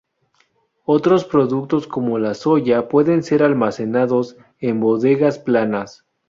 Otros productos como la soya pueden ser almacenados en bodegas planas.